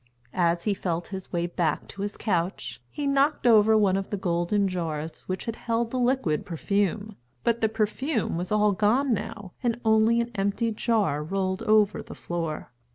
As he felt his way back to his couch, he knocked over one of the golden jars which had held the liquid perfume, but the perfume was all gone now and only an empty jar rolled over the floor.